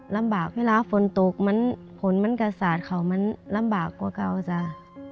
ลำบากเวลาฟนตกการฟืนมันกระตาดเขาลำบากกว่าเก่าจ้ะ